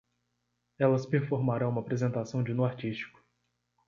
Elas performarão uma apresentação de nu artístico